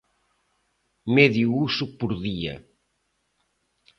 Medio uso por día.